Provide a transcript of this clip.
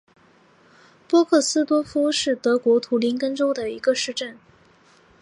波克斯多夫是德国图林根州的一个市镇。